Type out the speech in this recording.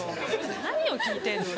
何を聞いてんの。